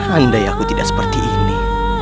andai aku tidak seperti ini